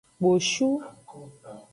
Kposhu.